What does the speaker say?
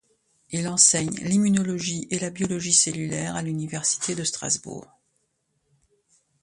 Il enseigne l'immunologie et la biologie cellulaire à l'université de Strasbourg.